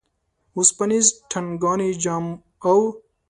وسپنیز ټنګانی جام او